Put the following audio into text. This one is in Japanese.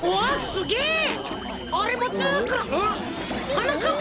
はなかっ